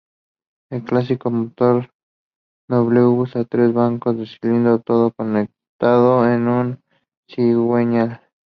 El clásico motor W usa tres bancos de cilindros, todos conectados a un cigüeñal.